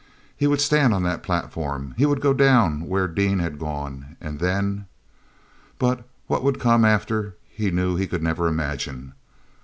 He would stand on that platform; he would go down where Dean had gone. And then.... But what would come after he knew he could never imagine.